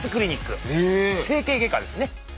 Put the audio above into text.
整形外科ですね。